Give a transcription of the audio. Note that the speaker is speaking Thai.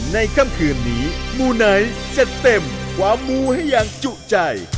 ค่ำคืนนี้มูไนท์จะเต็มความมูให้อย่างจุใจ